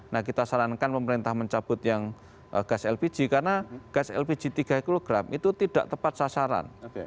nah kita sarankan pemerintah mencabut yang gas lpg karena gas lpg tiga kg itu tidak tepat sasaran